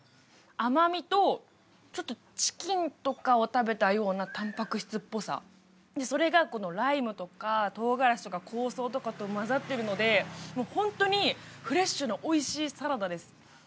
甘みとちょっとチキンとかを食べたようなたんぱく質っぽさそれがこのライムとかとうがらしとか香草とかと混ざってるのでもうホントにフレッシュなおいしいサラダです